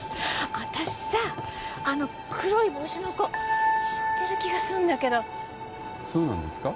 私さあの黒い帽子の子知ってる気がすんだけどそうなんですか？